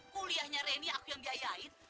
kuliahnya reni aku yang biayain